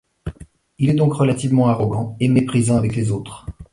Il est donc relativement arrogant et méprisant avec les autres.